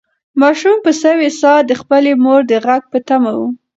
ماشوم په سوې ساه د خپلې مور د غږ په تمه و.